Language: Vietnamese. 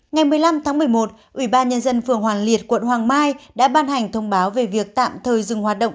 ngày một mươi năm tháng một mươi một ủy ban nhân dân phường hoàn liệt quận hoàng mai đã ban hành thông báo về việc tạm thời dừng hoạt động